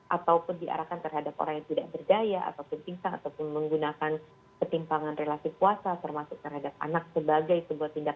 ataupun diarahkan terhadap orang yang tidak berdaya ataupun pingsan ataupun menggunakan ketimpangan relasi puasa termasuk terhadap anak sebagai sebuah tindakan